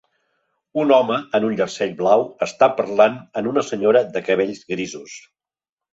un home amb un jersei blau està parlant amb una senyora de cabells grisos.